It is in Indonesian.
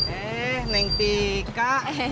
eh neng tika